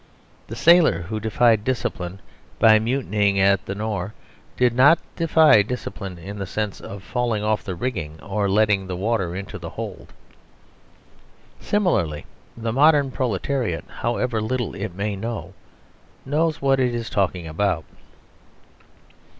The sailor who defied discipline by mutinying at the Nore did not defy discipline in the sense of falling off the rigging or letting the water into the hold. Similarly the modern proletariat, however little it may know, knows what it is talking about.